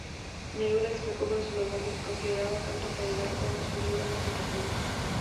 Neruda explicó en sus memorias que consideraba "Canto general" como su libro más importante.